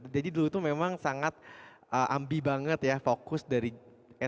jadi dulu itu memang sangat ambi banget ya fokus dari sma tuh